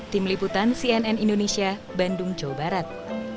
tim liputan cnn indonesia bandung jawa barat